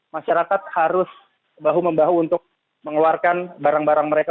masyarakat harus bahu membahu untuk mengeluarkan barang barang mereka